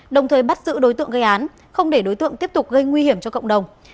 đồng thời bắt giữ đối tượng gây án không để đối tượng tiếp tục gây nguy hiểm cho cộng đồng